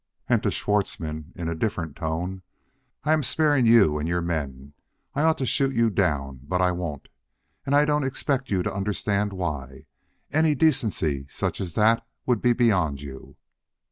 And to Schwartzmann, in a different tone: "I am sparing you and your men. I ought to shoot you down, but I won't. And I don't expect you to understand why; any decency such as that would beyond you.